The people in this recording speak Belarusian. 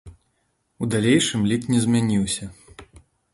У далейшым лік не змяніўся.